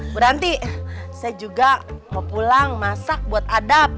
bu ranti saya juga mau pulang masak buat adab